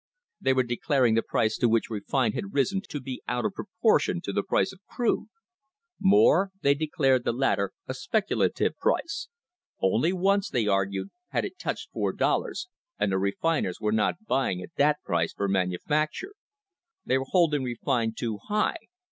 They were declaring the price to which refined had risen to be out of proportion to the price of crude. More, they declared the latter a speculative price — only once, they argued, had it touched four dollars, and the refiners were not buying at that price for manufacture. They were holding refined too high.